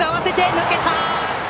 抜けた！